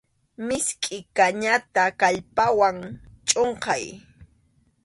Miskʼi kañata kallpawan chʼunqay.